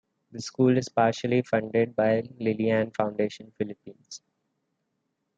The school is partially funded by Liliane Foundation Philippines.